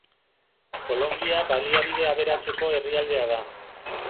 Kolonbia baliabide aberatseko herrialdea da.